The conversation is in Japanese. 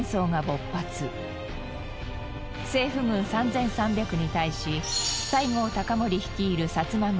政府軍３３００に対し西郷隆盛率いる薩摩軍